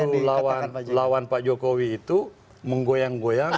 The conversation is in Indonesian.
yang menarik ini justru lawan pak jokowi itu menggoyang goyang